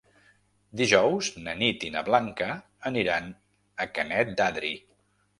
Dijous na Nit i na Blanca aniran a Canet d'Adri.